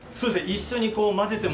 一緒に？